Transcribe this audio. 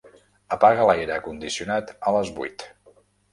Apaga l'aire condicionat a les vuit.